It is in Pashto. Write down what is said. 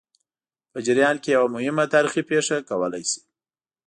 په جریان کې یوه مهمه تاریخي پېښه کولای شي.